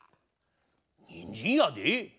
にんじんやで？